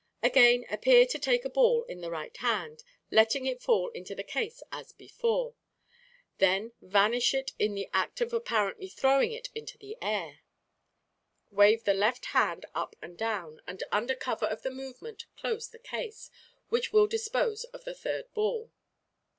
Again appear to take a ball in the right hand, letting it fall into the case as before. Then vanish it in the act of apparently throwing it into the air. Wave the left hand up and down, and under cover of the movement close the case, which will dispose of the third ball.